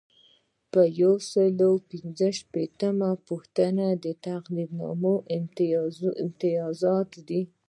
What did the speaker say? یو سل او پنځلسمه پوښتنه د تقدیرنامو امتیازات دي.